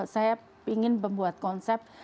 saya ingin membuat konsep